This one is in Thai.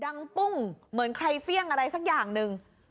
ปุ้งเหมือนใครเฟี่ยงอะไรสักอย่างหนึ่ง